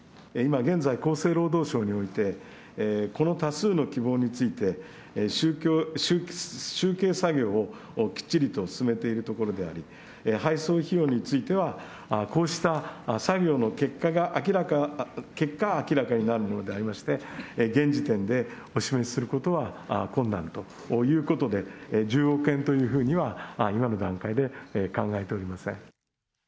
今現在、厚生労働省において、この多数の希望について、集計作業をきっちりと進めているところであり、配送費用については、こうした作業の結果、明らかになるものでありまして、現時点でお示しすることは困難ということで、１０億円というふうには、今の段階で考えておりません。